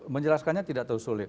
menjelaskannya tidak terlalu sulit